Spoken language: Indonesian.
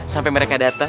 sampai mereka datang